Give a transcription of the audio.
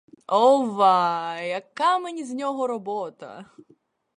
Овва, яка мені з нього робота!